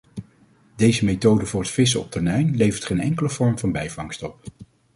Deze methode voor het vissen op tonijn levert geen enkele vorm van bijvangst op.